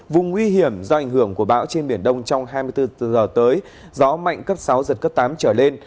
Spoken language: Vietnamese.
vùng nguy hiểm do ảnh hưởng của bão trên biển đông trong hai mươi bốn h tới gió mạnh cấp sáu giật cấp tám trở lên